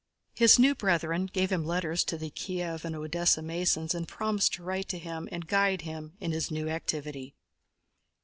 His new brethren gave him letters to the Kiev and Odessa Masons and promised to write to him and guide him in his new activity.